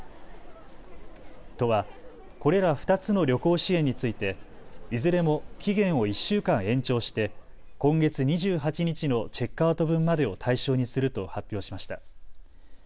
都は、これら２つの旅行支援について、いずれも期限を１週間延長して今月２８日のチェックアウト分までを対象にすると発表しました。